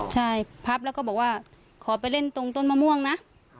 ใช่พับแล้วก็บอกว่าขอไปเล่นตรงต้นมะม่วงนะ